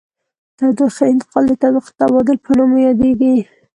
تودوخې انتقال د تودوخې د تبادل په نامه یادیږي.